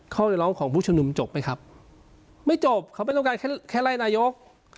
ข้อเรียกร้องของผู้ชมนุมจบไหมครับไม่จบเขาไม่ต้องการแค่ไล่นายก